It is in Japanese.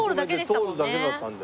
通るだけだったんで。